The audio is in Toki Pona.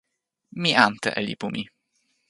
mi ante e lipu mi.